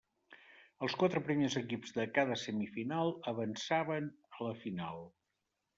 Els quatre primers equips de cada semifinal avançaven a la final.